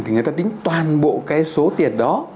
thì người ta tính toàn bộ cái số tiền đó